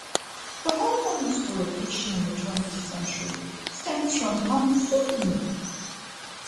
The whole modern school of fiction in the twentieth century stems from Hamsun.